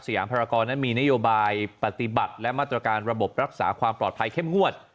ยามภารกรนั้นมีนโยบายปฏิบัติและมาตรการระบบรักษาความปลอดภัยเข้มงวด